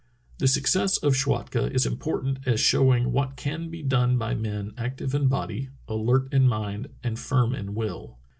The success of Schwatka is important as showing what can be done by men active in body, alert in mind, and firm in will.